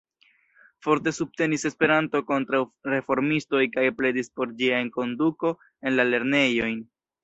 Forte subtenis Esperanton kontraŭ reformistoj kaj pledis por ĝia enkonduko en la lernejojn.